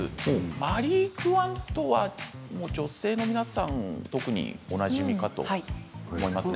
マリー・クワントは女性の皆さんは、特におなじみかと思います。